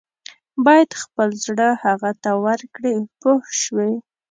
باید خپل زړه هغه ته ورکړې پوه شوې!.